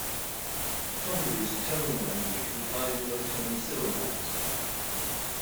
Tonga is a tonal language, with high and low-toned syllables.